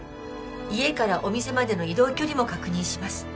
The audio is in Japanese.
家からお店までの移動距離も確認します。